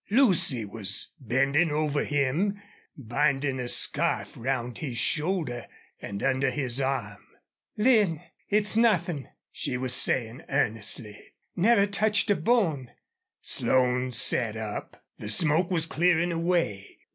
Lucy was bending over him, binding a scarf round his shoulder and under his arm. "Lin! It's nothing!" she was saying, earnestly. "Never touched a bone!" Slone sat up. The smoke was clearing away.